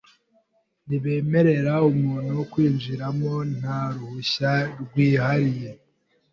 Ntibemerera umuntu kwinjiramo nta ruhushya rwihariye.